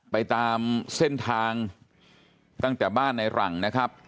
ไปตามเส้นทางตั้งแต่บ้านในหลังนะครับ